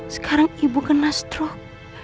sekarang ibu kena struk